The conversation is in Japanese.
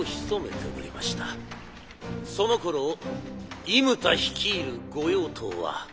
そのころ伊牟田率いる御用盗は。